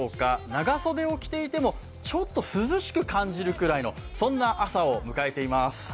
長袖を着ていてもちょっと涼しく感じるぐらいのそんな朝を迎えています。